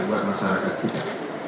buat masyarakat kita